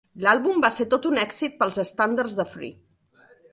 L'àlbum va ser tot un èxit, pels estàndards de Free.